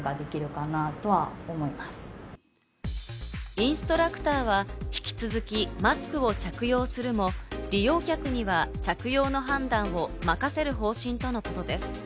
インストラクターは引き続きマスクを着用するも、利用客には着用の判断を任せる方針とのことです。